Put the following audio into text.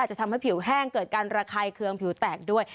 จะทำให้ผิวแห้งเกิดการระคายเคืองผิวแตกด้วย